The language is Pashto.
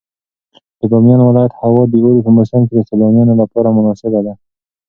د بامیان ولایت هوا د اوړي په موسم کې د سیلانیانو لپاره مناسبه ده.